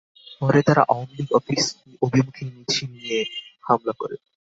পরে তারা আওয়ামী লীগ অফিস অভিমুখী মিছিল নিয়ে হামলা করে।